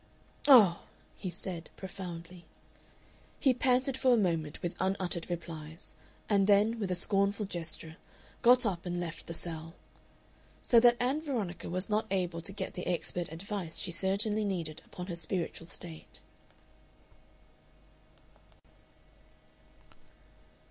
"Oh!" he said, profoundly. He panted for a moment with unuttered replies, and then, with a scornful gesture, got up and left the cell. So that Ann Veronica was not able to get the expert advice she certainly needed upon her spiritual state.